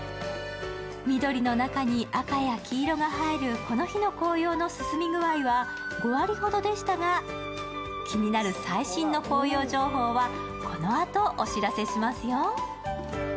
緑の中に赤や黄色が映えるこの日の紅葉の進み具合は５割ほど弟子たが気になる最新の紅葉情報はこのあとお知らせしますよ。